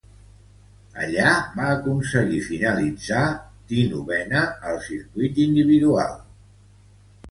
Allí va aconseguir finalitzar denovena al circuit individual.